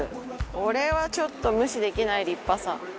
これは、ちょっと無視できない立派さ。